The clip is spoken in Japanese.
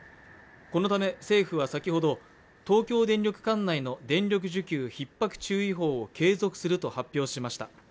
このため政府は先ほど東京電力管内の電力需給ひっ迫注意報を継続すると発表しました